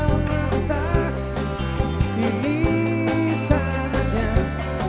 wujudkan jadi kenyataan